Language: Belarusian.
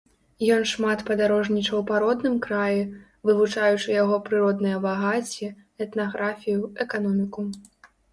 Ён шмат падарожнічаў па родным краі, вывучаючы яго прыродныя багацці, этнаграфію, эканоміку.